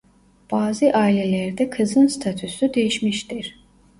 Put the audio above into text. Bazı ailelerde kızın statüsü değişmiştir.